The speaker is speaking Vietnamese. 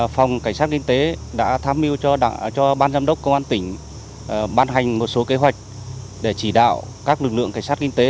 phòng cảnh sát kinh tế